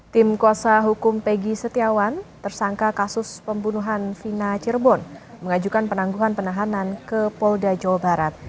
tim kuasa hukum peggy setiawan tersangka kasus pembunuhan vina cirebon mengajukan penangguhan penahanan ke polda jawa barat